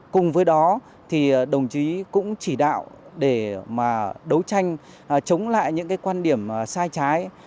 cùng với đó thì đồng chí cũng chỉ đạo để mà đấu tranh chống lại những cái quan điểm sai trái